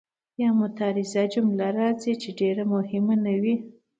یا معترضه جمله راځي چې ډېره مهمه نه وي.